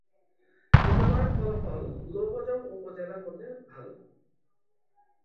বিদ্যালয়ের ফলাফল লৌহজং উপজেলার মধ্যে ভালো।